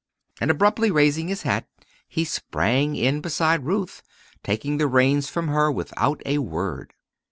And abruptly raising his hat, he sprang in beside Ruth, taking the reins from her without a word.